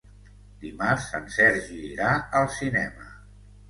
Dimarts en Sergi irà al cinema.